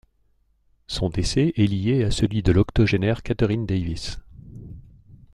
Son décès est lié à celui de l'octogénaire Catherine Davis.